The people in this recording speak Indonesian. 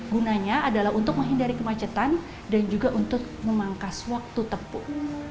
gunanya adalah untuk menghindari kemacetan dan juga untuk memangkas waktu tempuh